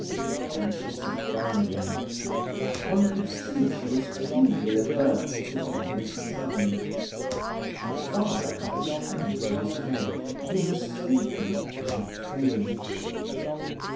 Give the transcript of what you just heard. Then she sat down again. One could see she was keenly alert to every sound. The father had his hand to his head; he was thinking and praying.